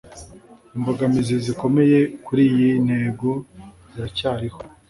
imbogamizi zikomeye kuri iyi ntego ziracyariho